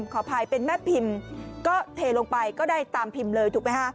ขออภัยเป็นแม่พิมพ์ก็เทลงไปก็ได้ตามพิมพ์เลยถูกไหมฮะ